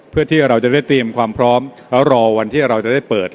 เพื่อที่เราจะได้เตรียมความพร้อมแล้วรอวันที่เราจะได้เปิด